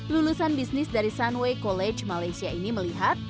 lulusan bisnis dari sunway college malaysia ini melihat